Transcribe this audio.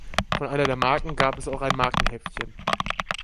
Von einer der Marken gab es auch ein Markenheftchen.